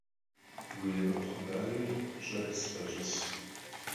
ГуемыӀу хъыбарыр щӀэх зэлъащӀыс.